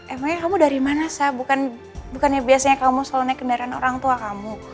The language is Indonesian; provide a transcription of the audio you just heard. emangnya kamu dari mana saya bukannya biasanya kamu selalu naik kendaraan orang tua kamu